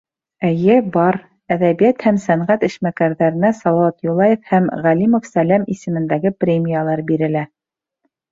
Эйе, бар. Әҙәбиәт һәм сәнғәт эшмәкәрҙәренә Салауат Юлаев һәм Ғәлимов Сәләм исемендәге премиялар бирелә.